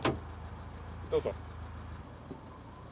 ・どうぞ。